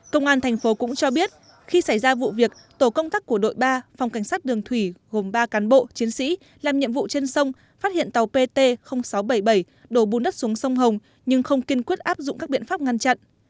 công an thành phố cũng cho biết khi xảy ra vụ việc tổ công tác của đội ba phòng cảnh sát đường thủy gồm ba cán bộ chiến sĩ làm nhiệm vụ trên sông phát hiện tàu pt sáu trăm bảy mươi bảy đổ bùn đất xuống sông hồng nhưng không kiên quyết áp dụng các biện pháp ngăn chặn